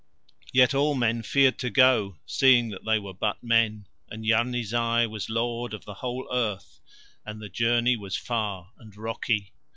Yet all men feared to go, seeing that they were but men and Yarni Zai was Lord of the whole earth, and the journey was far and rocky.